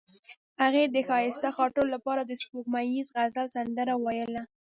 هغې د ښایسته خاطرو لپاره د سپوږمیز غزل سندره ویله.